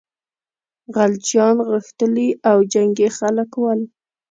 خلجیان غښتلي او جنګي خلک ول.